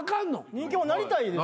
人気者なりたいです。